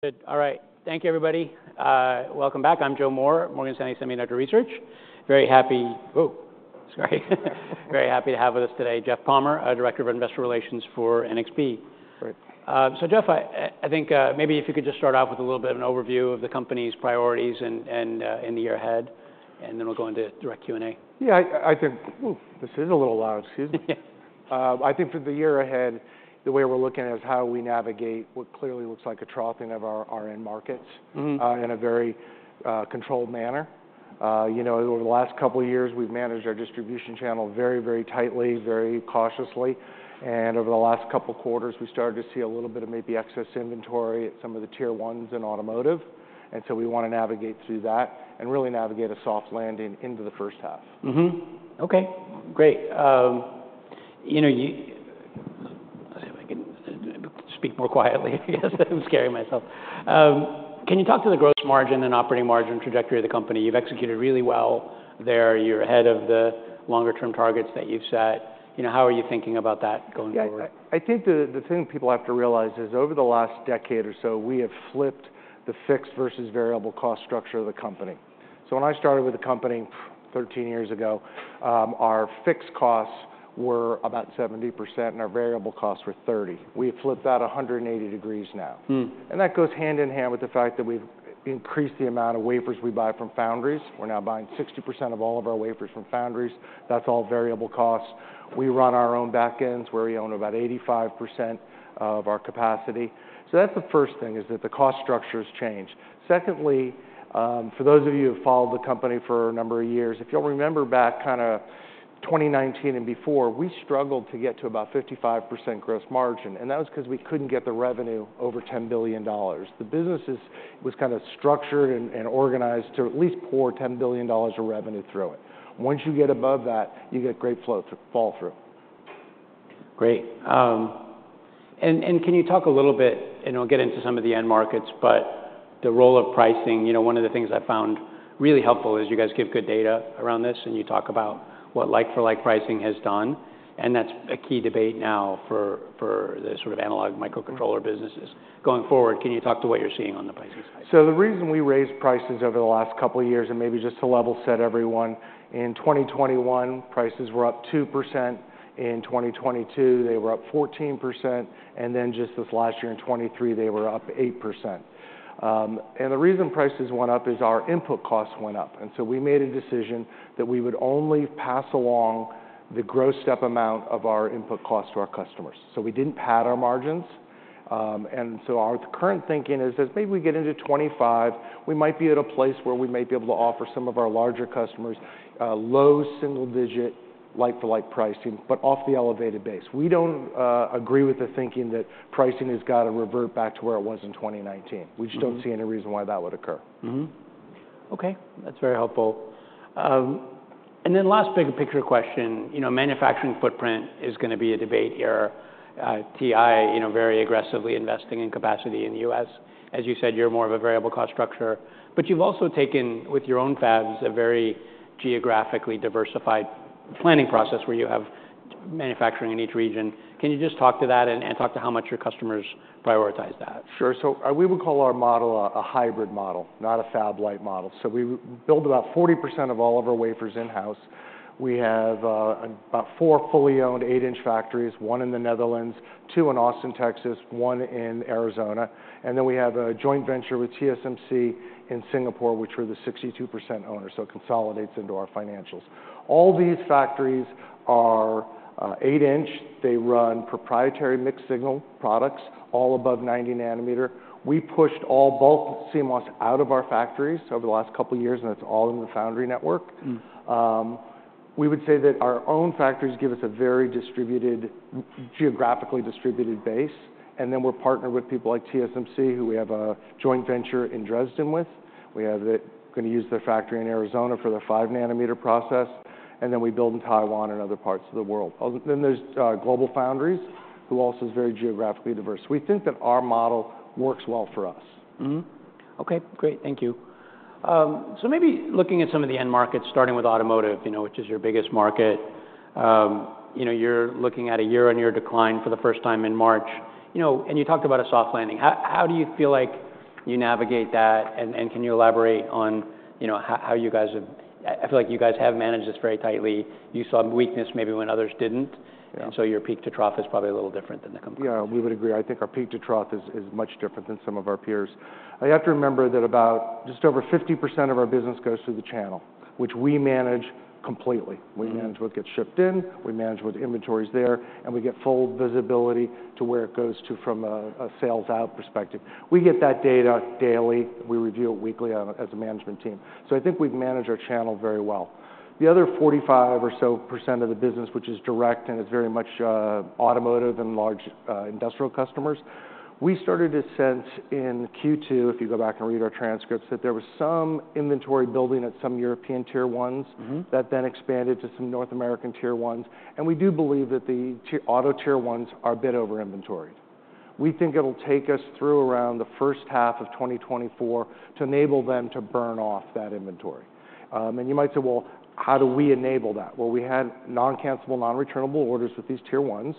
Good. All right. Thank you, everybody. Welcome back. I'm Joe Moore, Morgan Stanley Semiconductor Research. Very happy, oh, sorry. Very happy to have with us today, Jeff Palmer, Director of Investor Relations for NXP. Right. So, Jeff, I think maybe if you could just start off with a little bit of an overview of the company's priorities and in the year ahead, and then we'll go into direct Q&A. Yeah, I, I think... Ooh, this is a little loud. Excuse me. I think for the year ahead, the way we're looking at is how we navigate what clearly looks like a troughing of our, our end markets-... in a very controlled manner. You know, over the last couple of years, we've managed our distribution channel very, very tightly, very cautiously, and over the last couple of quarters, we started to see a little bit of maybe excess inventory at some of the Tier 1s in automotive. And so we wanna navigate through that and really navigate a soft landing into the first half. Okay, great. You know, let's see if I can speak more quietly. I'm scaring myself. Can you talk to the gross margin and operating margin trajectory of the company? You've executed really well there. You're ahead of the longer term targets that you've set. You know, how are you thinking about that going forward? Yeah, I, I think the, the thing people have to realize is, over the last decade or so, we have flipped the fixed versus variable cost structure of the company. So when I started with the company 13 years ago, our fixed costs were about 70% and our variable costs were 30%. We have flipped that 180 degrees now. And that goes hand in hand with the fact that we've increased the amount of wafers we buy from foundries. We're now buying 60% of all of our wafers from foundries. That's all variable costs. We run our own back ends, where we own about 85% of our capacity. So that's the first thing, is that the cost structure has changed. Secondly, for those of you who have followed the company for a number of years, if you'll remember back kinda 2019 and before, we struggled to get to about 55% gross margin, and that was 'cause we couldn't get the revenue over $10 billion. The business was kinda structured and organized to at least pour $10 billion of revenue through it. Once you get above that, you get great flow to fall through. Great. And can you talk a little bit, and I'll get into some of the end markets, but the role of pricing. You know, one of the things I found really helpful is you guys give good data around this, and you talk about what like-for-like pricing has done, and that's a key debate now for the sort of analog microcontroller businesses. Going forward, can you talk to what you're seeing on the pricing side? So the reason we raised prices over the last couple of years, and maybe just to level set everyone, in 2021, prices were up 2%, in 2022, they were up 14%, and then just this last year, in 2023, they were up 8%. The reason prices went up is our input costs went up, and so we made a decision that we would only pass along the gross step amount of our input cost to our customers, so we didn't pad our margins. So our current thinking is that maybe we get into 2025, we might be at a place where we may be able to offer some of our larger customers, low single digit like-for-like pricing, but off the elevated base. We don't agree with the thinking that pricing has got to revert back to where it was in 2019. We just don't see any reason why that would occur. Okay, that's very helpful. And then last big-picture question. You know, manufacturing footprint is gonna be a debate here. TI, you know, very aggressively investing in capacity in the U.S. As you said, you're more of a variable cost structure, but you've also taken, with your own fabs, a very geographically diversified planning process, where you have manufacturing in each region. Can you just talk to that and talk to how much your customers prioritize that? Sure. So, we would call our model a, a hybrid model, not a fab-lite model. So we build about 40% of all of our wafers in-house. We have about four fully owned eight inch factories, one in the Netherlands, two in Austin, Texas, one in Arizona, and then we have a joint venture with TSMC in Singapore, which we're the 62% owner, so it consolidates into our financials. All these factories are eight inch. They run proprietary mixed-signal products, all above 90 nanometer. We pushed all bulk CMOS out of our factories over the last couple of years, and it's all in the foundry network. We would say that our own factories give us a very distributed, geographically distributed base, and then we're partnered with people like TSMC, who we have a joint venture in Dresden with. We are gonna use their factory in Arizona for their 5-nanometer process, and then we build in Taiwan and other parts of the world. Then there's GlobalFoundries, who also is very geographically diverse. We think that our model works well for us. Okay, great. Thank you. So maybe looking at some of the end markets, starting with automotive, you know, which is your biggest market, you know, you're looking at a year-on-year decline for the first time in March. You know, and you talked about a soft landing. How, how do you feel like you navigate that, and, and can you elaborate on, you know, how, how you guys have... I feel like you guys have managed this very tightly. You saw weakness maybe when others didn't. Yeah. Your peak to trough is probably a little different than the company. Yeah, we would agree. I think our peak to trough is much different than some of our peers. You have to remember that about just over 50% of our business goes through the channel, which we manage completely. We manage what gets shipped in, we manage what inventory is there, and we get full visibility to where it goes to from a sales out perspective. We get that data daily. We review it weekly as a management team. So I think we've managed our channel very well. The other 45% or so of the business, which is direct and is very much automotive and large industrial customers, we started to sense in Q2, if you go back and read our transcripts, that there was some inventory building at some European Tier 1s-... that then expanded to some North American Tier 1s, and we do believe that the Tier 1 auto Tier 1s are a bit over inventoried. We think it'll take us through around the first half of 2024 to enable them to burn off that inventory. And you might say, "Well, how do we enable that?" Well, we had non-cancellable, non-returnable orders with these Tier 1s.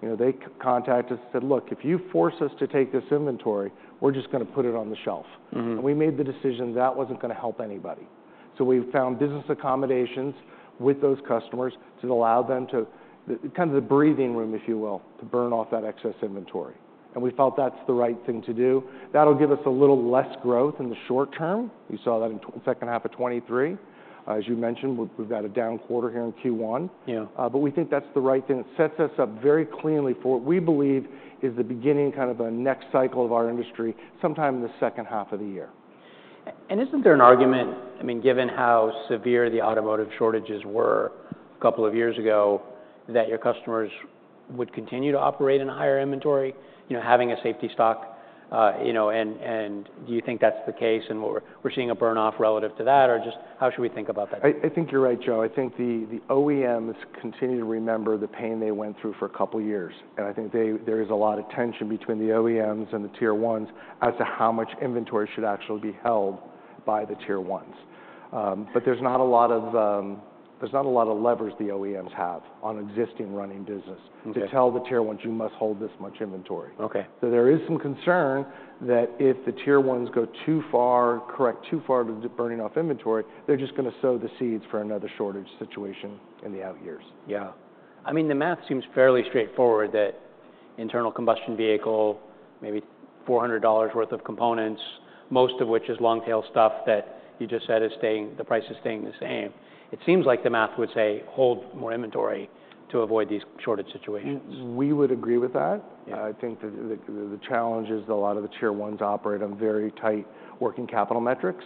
You know, they contacted us and said, "Look, if you force us to take this inventory, we're just gonna put it on the shelf. And we made the decision that wasn't gonna help anybody. So we found business accommodations with those customers to allow them to—the kind of breathing room, if you will, to burn off that excess inventory, and we felt that's the right thing to do. That'll give us a little less growth in the short term. You saw that in second half of 2023. As you mentioned, we've had a down quarter here in Q1. Yeah. We think that's the right thing. It sets us up very cleanly for what we believe is the beginning, kind of, a next cycle of our industry sometime in the second half of the year. And isn't there an argument, I mean, given how severe the automotive shortages were a couple of years ago, that your customers would continue to operate in a higher inventory, you know, having a safety stock? You know, and do you think that's the case, and we're seeing a burn-off relative to that, or just how should we think about that? I think you're right, Joe. I think the OEMs continue to remember the pain they went through for a couple of years, and I think they, there is a lot of tension between the OEMs and the Tier 1s as to how much inventory should actually be held by the Tier 1s. But there's not a lot of levers the OEMs have on existing running business. Okay... to tell the Tier 1s, "You must hold this much inventory. Okay. There is some concern that if the Tier 1s go too far, correct too far to burning off inventory, they're just gonna sow the seeds for another shortage situation in the out years. Yeah. I mean, the math seems fairly straightforward, that internal combustion vehicle, maybe $400 worth of components, most of which is long-tail stuff that you just said is staying, the price is staying the same. It seems like the math would say, "Hold more inventory to avoid these shortage situations. We would agree with that. Yeah. I think the challenge is a lot of the Tier 1s operate on very tight working capital metrics,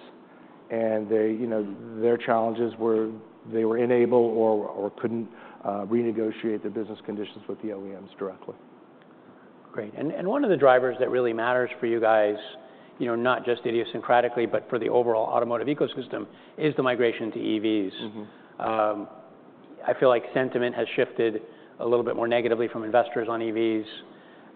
and they, you know, their challenges were, they were unable or couldn't renegotiate the business conditions with the OEMs directly. Great. And one of the drivers that really matters for you guys, you know, not just idiosyncratically, but for the overall automotive ecosystem, is the migration to EVs I feel like sentiment has shifted a little bit more negatively from investors on EVs.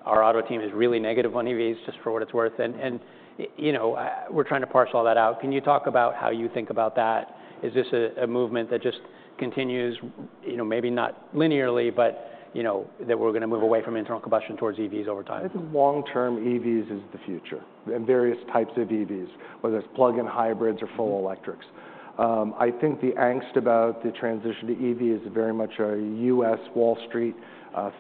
Our auto team is really negative on EVs, just for what it's worth. We're trying to parse all that out. Can you talk about how you think about that? Is this a movement that just continues, you know, maybe not linearly, but, you know, that we're gonna move away from internal combustion towards EVs over time? I think long-term, EVs is the future, and various types of EVs, whether it's plug-in hybrids or full electrics. I think the angst about the transition to EV is very much a U.S. Wall Street,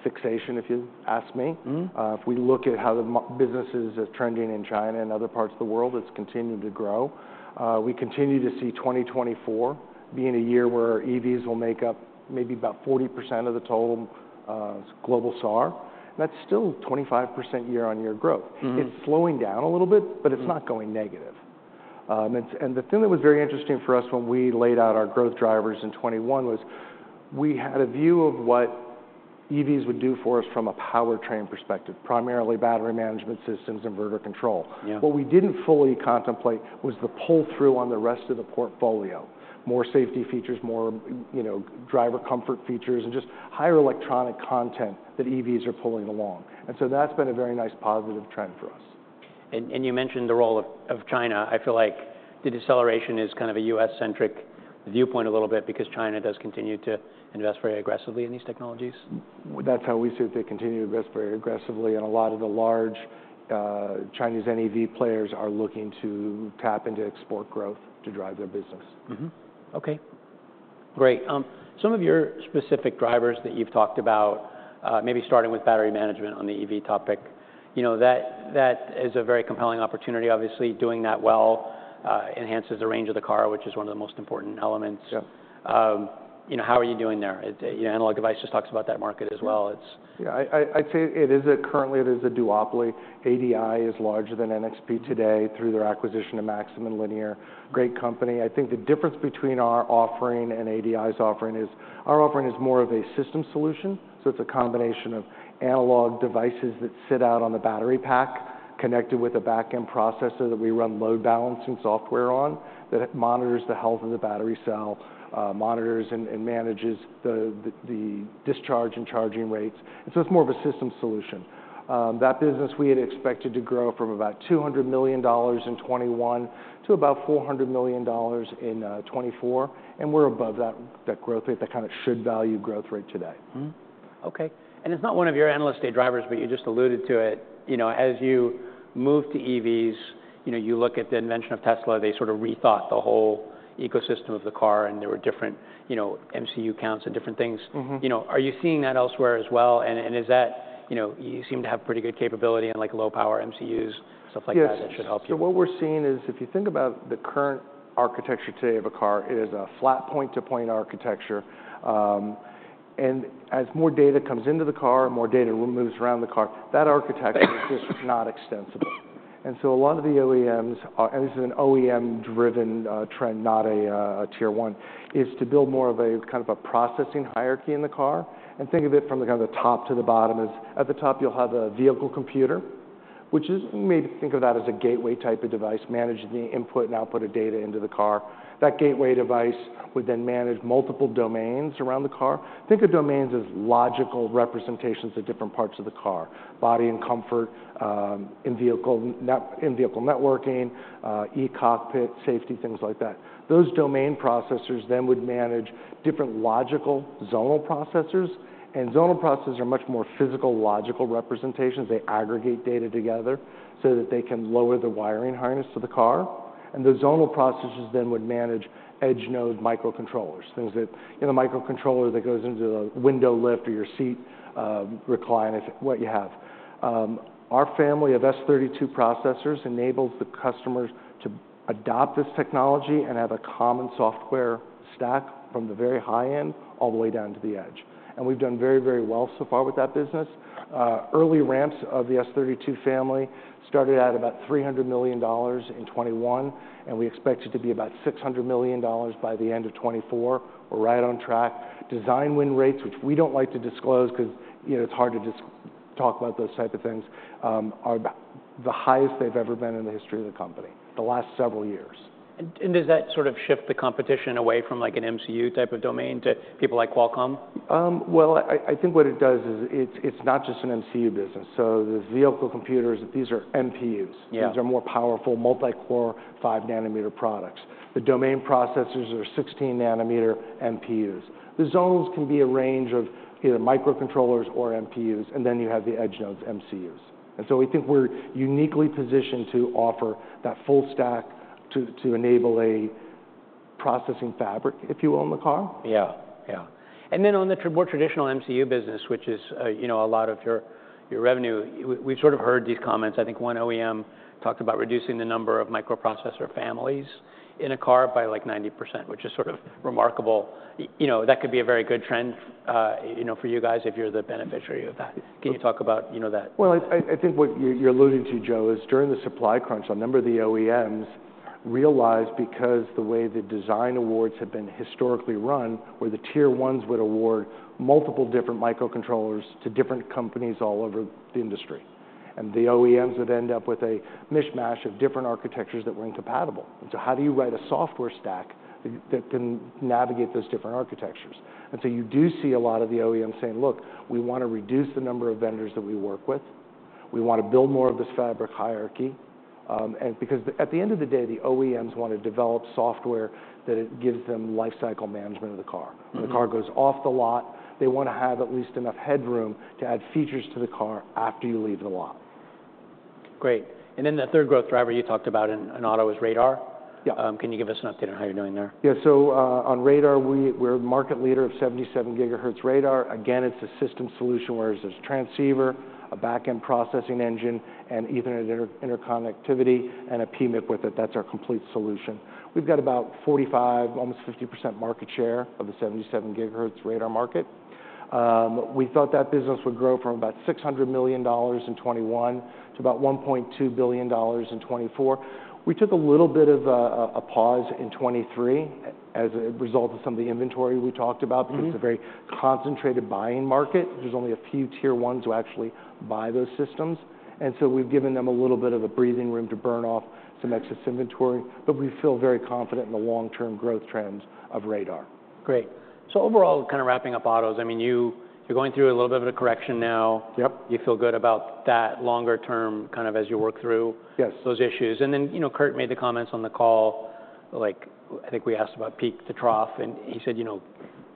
fixation, if you ask me. If we look at how the MCU business is trending in China and other parts of the world, it's continuing to grow. We continue to see 2024 being a year where EVs will make up maybe about 40% of the total global SAAR, and that's still 25% year-on-year growth. It's slowing down a little bit, but it's not going negative. And the thing that was very interesting for us when we laid out our growth drivers in 2021 was we had a view of what EVs would do for us from a powertrain perspective, primarily battery management systems, inverter control. Yeah. What we didn't fully contemplate was the pull-through on the rest of the portfolio: more safety features, more, you know, driver comfort features, and just higher electronic content that EVs are pulling along, and so that's been a very nice positive trend for us. You mentioned the role of China. I feel like the deceleration is kind of a U.S.-centric viewpoint a little bit because China does continue to invest very aggressively in these technologies. Well, that's how we see it. They continue to invest very aggressively, and a lot of the large, Chinese NEV players are looking to tap into export growth to drive their business. Mm-hmm. Okay, great. Some of your specific drivers that you've talked about, maybe starting with battery management on the EV topic, you know, that, that is a very compelling opportunity. Obviously, doing that well, enhances the range of the car, which is one of the most important elements. Yeah. You know, how are you doing there? You know, Analog Devices talks about that market as well. It's- Yeah, I'd say it is a... Currently, it is a duopoly. ADI is larger than NXP today through their acquisition of Maxim and Linear. Great company. I think the difference between our offering and ADI's offering is, our offering is more of a system solution, so it's a combination of analog devices that sit out on the battery pack, connected with a back-end processor that we run load balancing software on, that it monitors the health of the battery cell, monitors, and manages the discharge and charging rates, and so it's more of a system solution. That business we had expected to grow from about $200 million in 2021 to about $400 million in 2024, and we're above that growth rate, that kind of should value growth rate today. Mm-hmm. Okay, and it's not one of your Analyst Day drivers, but you just alluded to it. You know, as you move to EVs, you know, you look at the invention of Tesla. They sort of rethought the whole ecosystem of the car, and there were different, you know, MCU counts and different things. You know, are you seeing that elsewhere as well? And is that... You know, you seem to have pretty good capability in, like, low power MCUs, stuff like that- Yes... that should help you. So what we're seeing is, if you think about the current architecture today of a car, it is a flat point-to-point architecture. And as more data comes into the car and more data moves around the car, that architecture is just not extensible. And so a lot of the OEMs, and this is an OEM-driven trend, not a Tier 1, is to build more of a kind of a processing hierarchy in the car. And think of it from the kind of the top to the bottom as, at the top, you'll have a vehicle computer, which is, maybe think of that as a gateway type of device, managing the input and output of data into the car. That gateway device would then manage multiple domains around the car. Think of domains as logical representations of different parts of the car, body and comfort, in-vehicle networking, e-Cockpit, safety, things like that. Those domain processors then would manage different logical zonal processors, and zonal processors are much more physical, logical representations. They aggregate data together so that they can lower the wiring harness to the car, and the zonal processors then would manage edge node microcontrollers, things that... You know, a microcontroller that goes into the window lift or your seat recline is what you have. Our family of S32 processors enables the customers to adopt this technology and have a common software stack from the very high end all the way down to the edge, and we've done very, very well so far with that business. Early ramps of the S32 family started at about $300 million in 2021, and we expect it to be about $600 million by the end of 2024. We're right on track. Design win rates, which we don't like to disclose, 'cause, you know, it's hard to just talk about those type of things, are about the highest they've ever been in the history of the company, the last several years. Does that sort of shift the competition away from, like, an MCU type of domain to people like Qualcomm? Well, I think what it does is, it's not just an MCU business, so the vehicle computers, these are MPUs. Yeah. These are more powerful, multi-core, 5-nanometer products. The domain processors are 16-nanometer MPUs. The zones can be a range of either microcontrollers or MPUs, and then you have the edge nodes, MCUs. And so we think we're uniquely positioned to offer that full stack to, to enable a processing fabric, if you will, in the car. Yeah. Yeah, and then on the more traditional MCU business, which is, you know, a lot of your, your revenue, we, we've sort of heard these comments. I think one OEM talked about reducing the number of microprocessor families in a car by, like, 90%, which is sort of remarkable. You know, that could be a very good trend, you know, for you guys if you're the beneficiary of that. Yeah. Can you talk about, you know, that? Well, I think what you're alluding to, Joe, is during the supply crunch, a number of the OEMs realized because the way the design awards had been historically run, where the Tier 1s would award multiple different microcontrollers to different companies all over the industry, and the OEMs would end up with a mishmash of different architectures that were incompatible. And so how do you write a software stack that can navigate those different architectures? And so you do see a lot of the OEMs saying, "Look, we want to reduce the number of vendors that we work with. We want to build more of this fabric hierarchy." And because at the end of the day, the OEMs want to develop software that it gives them life cycle management of the car. When the car goes off the lot, they want to have at least enough headroom to add features to the car after you leave the lot. Great, and then the third growth driver you talked about in, in auto is radar. Yeah. Can you give us an update on how you're doing there? Yeah. So, on radar, we're market leader of 77 GHz radar. Again, it's a system solution, whereas there's transceiver, a back-end processing engine, and Ethernet interconnectivity, and a PMIC with it. That's our complete solution. We've got about 45, almost 50% market share of the 77 GHz radar market. We thought that business would grow from about $600 million in 2021 to about $1.2 billion in 2024. We took a little bit of a pause in 2023 as a result of some of the inventory we talked about-... because it's a very concentrated buying market. There's only a few Tier 1s who actually buy those systems, and so we've given them a little bit of a breathing room to burn off some excess inventory, but we feel very confident in the long-term growth trends of radar. Great. So overall, kind of wrapping up autos, I mean, you're going through a little bit of a correction now. Yep. You feel good about that longer term, kind of as you work through- Yes... those issues. And then, you know, Kurt made the comments on the call, like, I think we asked about peak to trough, and he said, "You know,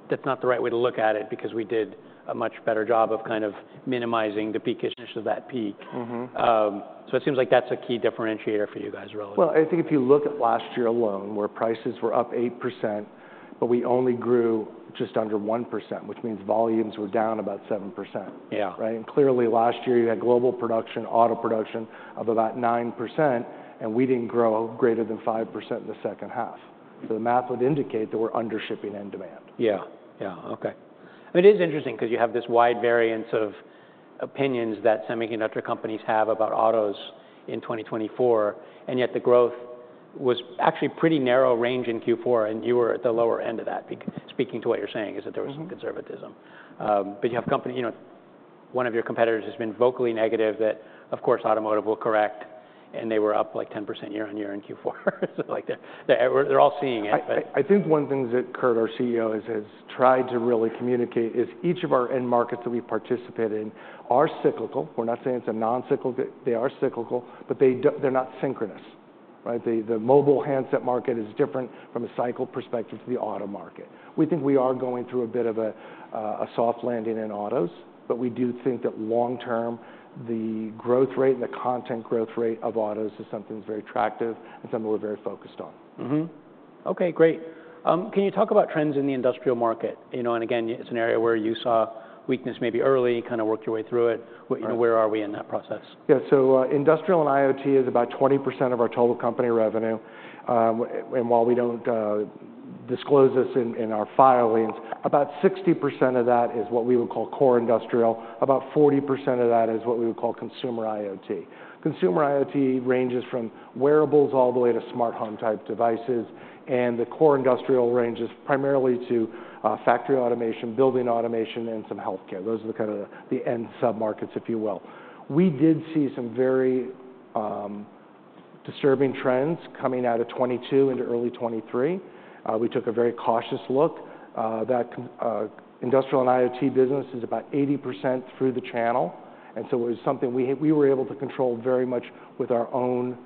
that's not the right way to look at it, because we did a much better job of kind of minimizing the peak issues of that peak. So it seems like that's a key differentiator for you guys relatively. Well, I think if you look at last year alone, where prices were up 8%, but we only grew just under 1%, which means volumes were down about 7%. Yeah. Right? And clearly, last year you had global production, auto production of about 9%, and we didn't grow greater than 5% in the second half. So the math would indicate that we're under shipping end demand. Yeah. Yeah, okay. It is interesting, because you have this wide variance of opinions that semiconductor companies have about autos in 2024, and yet the growth was actually pretty narrow range in Q4, and you were at the lower end of that. Speaking to what you're saying, is that-... there was some conservatism. But you have company... You know, one of your competitors has been vocally negative that, of course, automotive will correct, and they were up, like, 10% year-on-year in Q4. So, like, they're all seeing it, but- I think one of the things that Kurt, our CEO, has tried to really communicate is each of our end markets that we participate in are cyclical. We're not saying it's a non-cyclical. They are cyclical, but they're not synchronous, right? The mobile handset market is different from a cycle perspective to the auto market. We think we are going through a bit of a soft landing in autos, but we do think that long term, the growth rate and the content growth rate of autos is something that's very attractive and something we're very focused on. Mm-hmm. Okay, great. Can you talk about trends in the industrial market? You know, and again, it's an area where you saw weakness maybe early, kind of worked your way through it. Right. Where are we in that process? Yeah, so, industrial and IoT is about 20% of our total company revenue. And while we don't disclose this in our filings, about 60% of that is what we would call core industrial. About 40% of that is what we would call consumer IoT. Consumer IoT ranges from wearables all the way to smart home-type devices, and the core industrial range is primarily to factory automation, building automation, and some healthcare. Those are the kind of the end sub-markets, if you will. We did see some very disturbing trends coming out of 2022 into early 2023. We took a very cautious look that industrial and IoT business is about 80% through the channel, and so it was something we were able to control very much with our own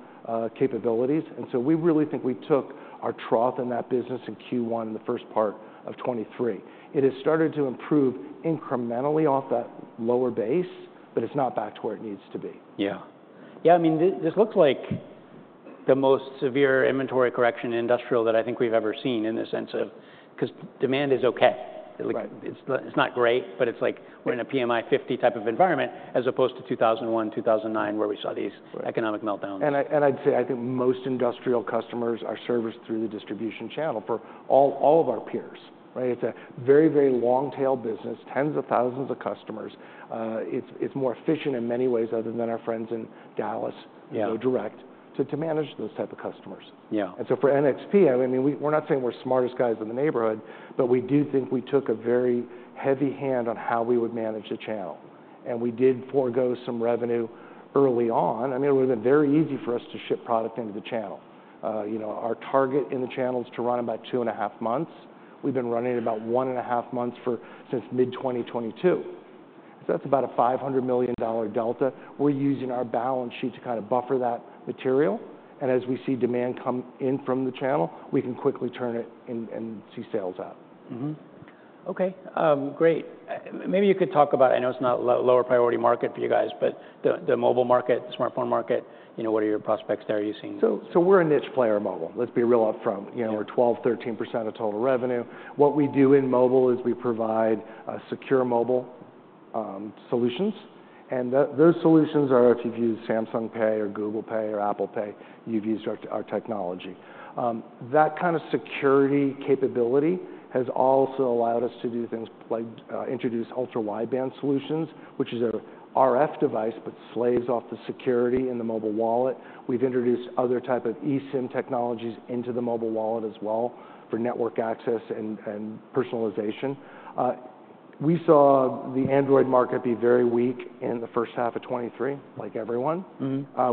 capabilities. And so we really think we took our trough in that business in Q1, in the first part of 2023. It has started to improve incrementally off that lower base, but it's not back to where it needs to be. Yeah. Yeah, I mean, this looks like the most severe inventory correction industrial that I think we've ever seen in the sense of- 'cause demand is okay. Right. It's not great, but it's like- Right We're in a PMI 50 type of environment, as opposed to 2001, 2009, where we saw these- Right -economic meltdowns. And I'd say, I think most industrial customers are serviced through the distribution channel for all of our peers, right? It's a very, very long tail business, tens of thousands of customers. It's more efficient in many ways other than our friends in Dallas- Yeah who go direct to manage those type of customers. Yeah. For NXP, I mean, we're not saying we're the smartest guys in the neighborhood, but we do think we took a very heavy hand on how we would manage the channel, and we did forego some revenue early on. I mean, it would've been very easy for us to ship product into the channel. You know, our target in the channel is to run about 2.5 months. We've been running about 1.5 months since mid 2022. So that's about a $500 million delta. We're using our balance sheet to kind of buffer that material, and as we see demand come in from the channel, we can quickly turn it and see sales up. Okay, great. Maybe you could talk about... I know it's not lower priority market for you guys, but the mobile market, smartphone market, you know, what are your prospects there you've seen? So, we're a niche player in mobile. Let's be real up front. Yeah. You know, we're 12%-13% of total revenue. What we do in mobile is we provide secure mobile solutions, and those solutions are, if you've used Samsung Pay or Google Pay or Apple Pay, you've used our technology. That kind of security capability has also allowed us to do things like introduce ultra-wideband solutions, which is a RF device but slaves off the security in the mobile wallet. We've introduced other type of eSIM technologies into the mobile wallet as well, for network access and personalization. We saw the Android market be very weak in the first half of 2023, like everyone.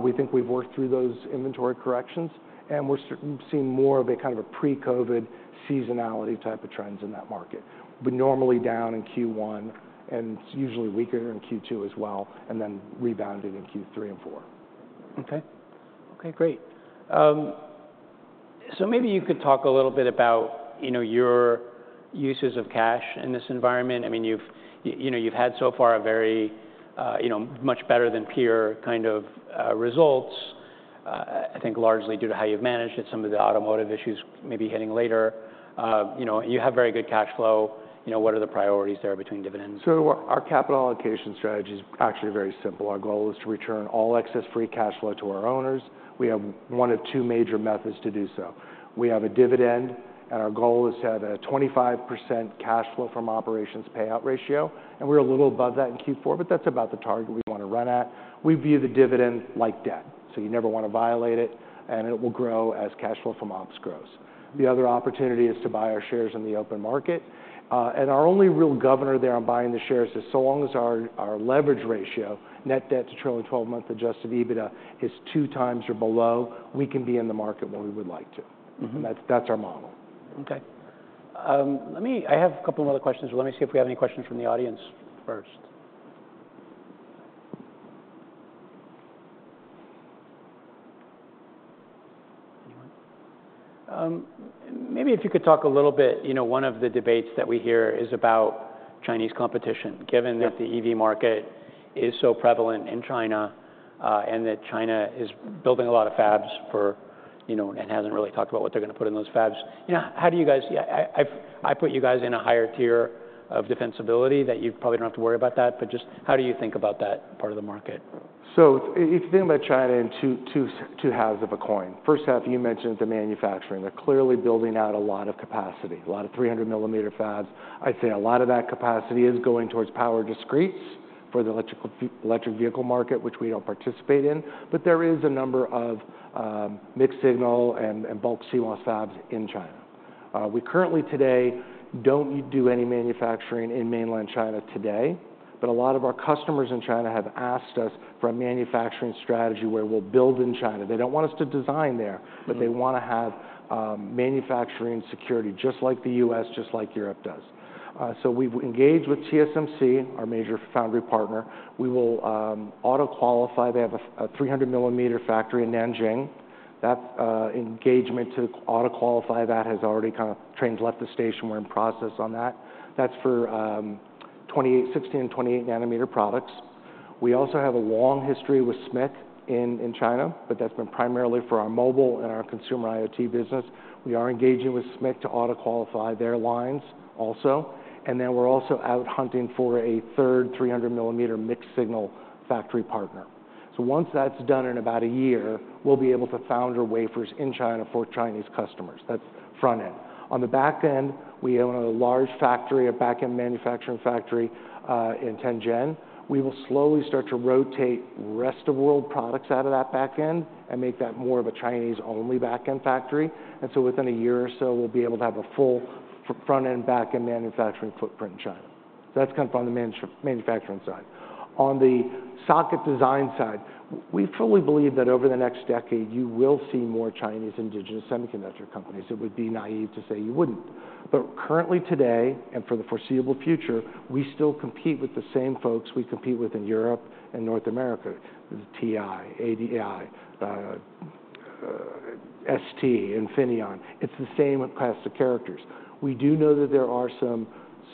We think we've worked through those inventory corrections, and we're certainly seeing more of a kind of a pre-COVID seasonality type of trends in that market. We're normally down in Q1, and it's usually weaker in Q2 as well, and then rebounding in Q3 and four. Okay. Okay, great. So maybe you could talk a little bit about, you know, your uses of cash in this environment. I mean, you've, you know, you've had so far a very, you know, much better than peer kind of results, I think largely due to how you've managed it, some of the automotive issues maybe hitting later. You know, you have very good cash flow. You know, what are the priorities there between dividends? Our capital allocation strategy is actually very simple. Our goal is to return all excess free cash flow to our owners. We have one of two major methods to do so. We have a dividend, and our goal is to have a 25% cash flow from operations payout ratio, and we're a little above that in Q4, but that's about the target we want to run at. We view the dividend like debt, so you never want to violate it, and it will grow as cash flow from ops grows. The other opportunity is to buy our shares in the open market, and our only real governor there on buying the shares is so long as our leverage ratio, net debt to trailing twelve-month adjusted EBITDA, is 2x or below, we can be in the market when we would like to. That's our model. Okay. I have a couple more questions. Let me see if we have any questions from the audience first. Maybe if you could talk a little bit... You know, one of the debates that we hear is about Chinese competition- Yeah Given that the EV market is so prevalent in China, and that China is building a lot of fabs, you know, and hasn't really talked about what they're gonna put in those fabs. You know, how do you guys... I put you guys in a higher tier of defensibility, that you probably don't have to worry about that, but just how do you think about that part of the market? So if you think about China in two halves of a coin. First half, you mentioned the manufacturing. They're clearly building out a lot of capacity, a lot of 300 millimeter fabs. I'd say a lot of that capacity is going towards power discretes for the electric vehicle market, which we don't participate in, but there is a number of mixed signal and bulk CMOS fabs in China. We currently today don't do any manufacturing in mainland China today, but a lot of our customers in China have asked us for a manufacturing strategy where we'll build in China. They don't want us to design there-... but they wanna have manufacturing security just like the US, just like Europe does. So we've engaged with TSMC, our major foundry partner. We will auto-qualify. They have a 300mm factory in Nanjing. That engagement to auto-qualify that has already kind of... train's left the station. We're in process on that. That's for 28, 16 and 28 nanometer products. We also have a long history with SMIC in China, but that's been primarily for our mobile and our consumer IoT business. We are engaging with SMIC to auto-qualify their lines also, and then we're also out hunting for a third 300mm mixed signal factory partner. So once that's done in about a year, we'll be able to foundry wafers in China for Chinese customers. That's front-end. On the back end, we own a large factory, a back-end manufacturing factory, in Tianjin. We will slowly start to rotate rest of world products out of that back end and make that more of a Chinese-only back-end factory, and so within a year or so, we'll be able to have a full front-end and back-end manufacturing footprint in China. So that's kind of on the manufacturing side. On the socket design side, we fully believe that over the next decade, you will see more Chinese indigenous semiconductor companies. It would be naive to say you wouldn't. But currently today, and for the foreseeable future, we still compete with the same folks we compete with in Europe and North America, the TI, ADI, ST, Infineon. It's the same cast of characters. We do know that there are some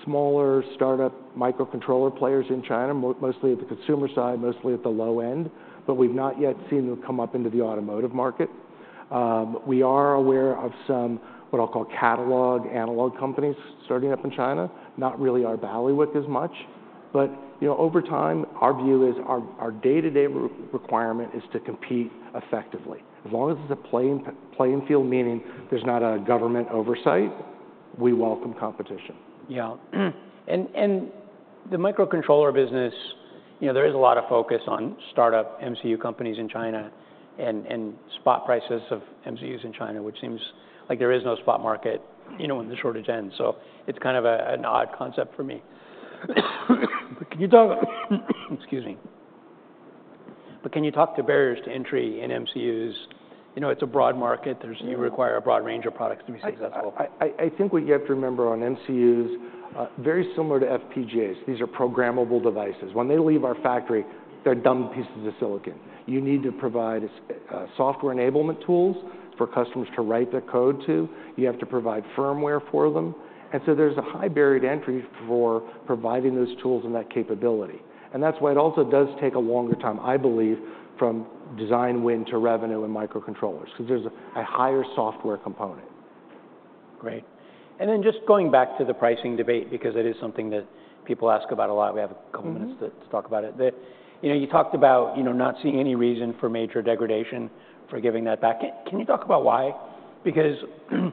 smaller startup microcontroller players in China, mostly at the consumer side, mostly at the low end, but we've not yet seen them come up into the automotive market. We are aware of some, what I'll call, catalog analog companies starting up in China, not really our bailiwick as much. But, you know, over time, our view is our day-to-day requirement is to compete effectively. As long as it's a playing field, meaning there's not a government oversight, we welcome competition. Yeah. And the microcontroller business, you know, there is a lot of focus on startup MCU companies in China and spot prices of MCUs in China, which seems like there is no spot market, you know, when the shortage ends, so it's kind of an odd concept for me. Can you talk... Excuse me. But can you talk to barriers to entry in MCUs? You know, it's a broad market, there's- Yeah... you require a broad range of products to be successful. I think what you have to remember on MCUs, very similar to FPGAs, these are programmable devices. When they leave our factory, they're dumb pieces of silicon. You need to provide software enablement tools for customers to write their code to. You have to provide firmware for them, and so there's a high barrier to entry for providing those tools and that capability. And that's why it also does take a longer time, I believe, from design win to revenue in microcontrollers, because there's a higher software component. Great. And then just going back to the pricing debate, because it is something that people ask about a lot. We have a couple-... minutes to talk about it. You know, you talked about, you know, not seeing any reason for major degradation, for giving that back. Can you talk about why? Because, you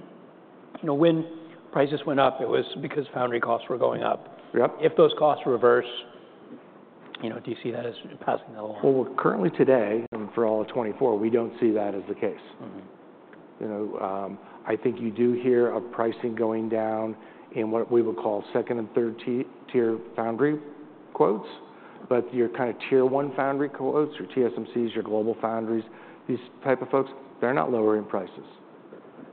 know, when prices went up, it was because foundry costs were going up. Yep. If those costs reverse, you know, do you see that as passing that along? Well, currently today, and for all of 2024, we don't see that as the case. You know, I think you do hear of pricing going down in what we would call second and third tier foundry quotes, but your kind of tier one foundry quotes, your TSMC's, your GlobalFoundries, these type of folks, they're not lowering prices.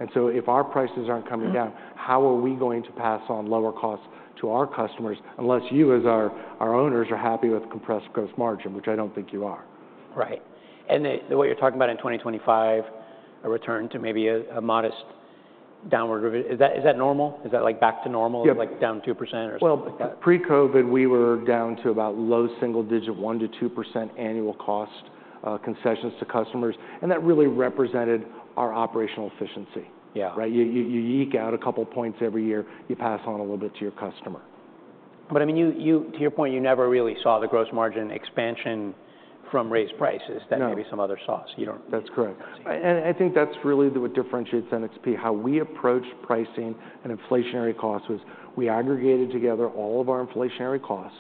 And so if our prices aren't coming down- ... how are we going to pass on lower costs to our customers, unless you, as our, our owners, are happy with compressed gross margin, which I don't think you are. Right. And the what you're talking about in 2025, a return to maybe a modest downward rev- is that normal? Is that, like, back to normal? Yep. Like, down 2% or something like that? Well, pre-COVID, we were down to about low single digit, 1%-2% annual cost concessions to customers, and that really represented our operational efficiency. Yeah. Right? You eke out a couple points every year, you pass on a little bit to your customer. I mean, you, to your point, you never really saw the gross margin expansion from raised prices- No... that may be some other sauce, you know? That's correct. And I think that's really what differentiates NXP, how we approached pricing and inflationary costs, was we aggregated together all of our inflationary costs,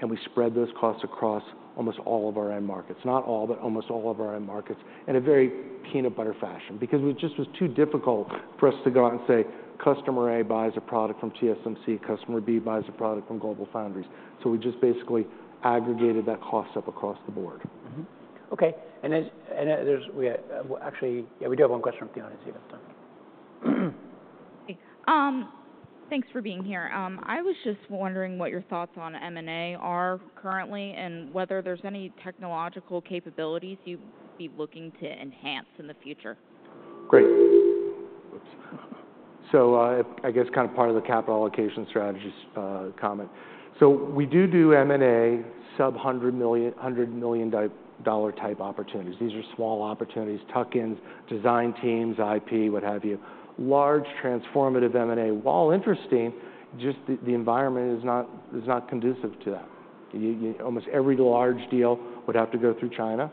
and we spread those costs across almost all of our end markets. Not all, but almost all of our end markets, in a very peanut butter fashion, because it just was too difficult for us to go out and say, "Customer A buys a product from TSMC, Customer B buys a product from GlobalFoundries." So we just basically aggregated that cost up across the board. Okay, and as there's, we, well, actually, yeah, we do have one question from the audience, if there's time. Hey, thanks for being here. I was just wondering what your thoughts on M&A are currently, and whether there's any technological capabilities you'd be looking to enhance in the future? Great. So, I guess kind of part of the capital allocation strategies comment. So we do M&A sub-$100 million, $100 million dollar type opportunities. These are small opportunities, tuck-ins, design teams, IP, what have you. Large, transformative M&A, while interesting, just the environment is not conducive to that. Almost every large deal would have to go through China,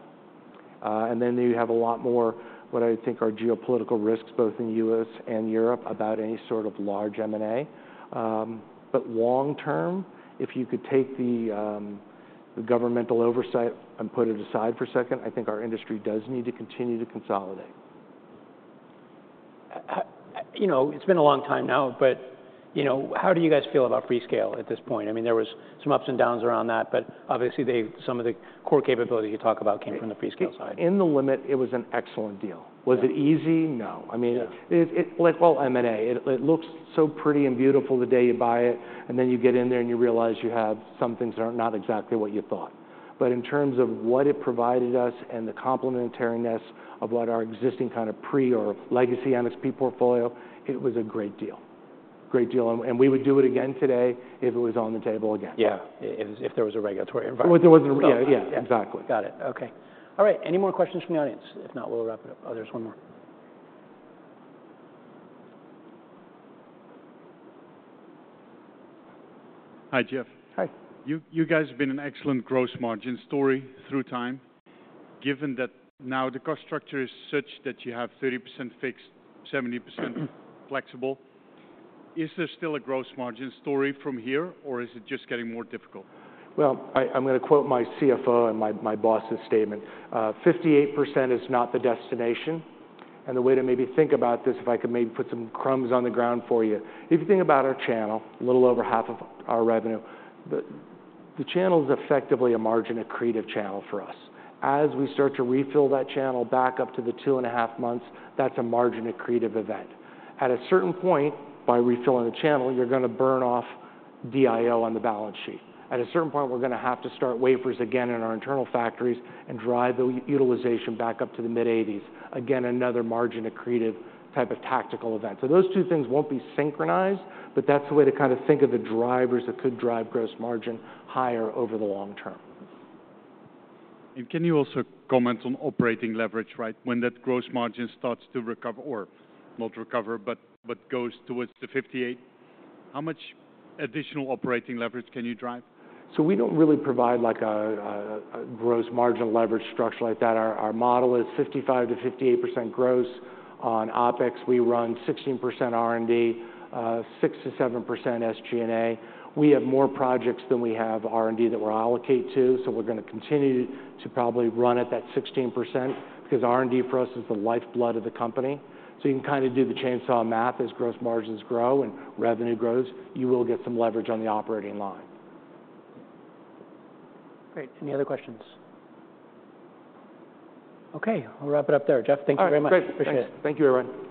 and then you have a lot more, what I would think are geopolitical risks, both in the U.S. and Europe, about any sort of large M&A. But long term, if you could take the governmental oversight and put it aside for a second, I think our industry does need to continue to consolidate. You know, it's been a long time now, but, you know, how do you guys feel about Freescale at this point? I mean, there was some ups and downs around that, but obviously, some of the core capabilities you talk about came from the Freescale side. In the limit, it was an excellent deal. Yeah. Was it easy? No. I mean- Yeah... like, well, M&A, it looks so pretty and beautiful the day you buy it, and then you get in there, and you realize you have some things that are not exactly what you thought. But in terms of what it provided us and the complementariness of what our existing kind of pre or legacy NXP portfolio, it was a great deal. Great deal, and, and we would do it again today if it was on the table again. Yeah, if there was a regulatory environment. Well, there was a re- Yeah. Yeah, exactly. Got it. Okay. All right, any more questions from the audience? If not, we'll wrap it up. Oh, there's one more. Hi, Jeff. Hi. You, you guys have been an excellent gross margin story through time. Given that now the cost structure is such that you have 30% fixed, 70%-... flexible, is there still a gross margin story from here, or is it just getting more difficult? Well, I, I'm gonna quote my CFO and my boss's statement. "58% is not the destination." And the way to maybe think about this, if I could maybe put some crumbs on the ground for you, if you think about our channel, a little over half of our revenue, the channel's effectively a margin accretive channel for us. As we start to refill that channel back up to the 2.5 months, that's a margin accretive event. At a certain point, by refilling the channel, you're gonna burn off DIO on the balance sheet. At a certain point, we're gonna have to start wafers again in our internal factories and drive the utilization back up to the mid-80s. Again, another margin accretive type of tactical event. Those two things won't be synchronized, but that's the way to kind of think of the drivers that could drive gross margin higher over the long term. Can you also comment on operating leverage, right? When that gross margin starts to recover, or not recover, but goes towards the 58, how much additional operating leverage can you drive? So we don't really provide, like, a gross margin leverage structure like that. Our model is 55%-58% gross. On OpEx, we run 16% R&D, 6%-7% SG&A. We have more projects than we have R&D that we're allocated to, so we're gonna continue to probably run at that 16%, because R&D for us is the lifeblood of the company. So you can kind of do the chainsaw math. As gross margins grow and revenue grows, you will get some leverage on the operating line. Great. Any other questions? Okay, we'll wrap it up there. Jeff, thank you very much. All right, great. Appreciate it. Thanks. Thank you, everyone.